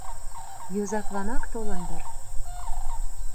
Йозакланак толын дыр?